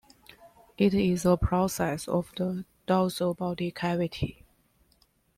It is a process of the dorsal body cavity.